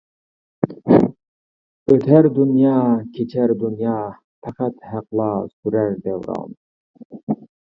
ئۆتەر دۇنيا, كېچەر دۇنيا, پەقەت ھەقلا سۈرەر دەۋران.